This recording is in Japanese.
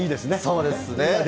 そうですね。